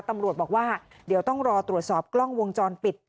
ตำรวจบอกว่าเดี๋ยวต้องรอตรวจสอบกล้องวงจรปิด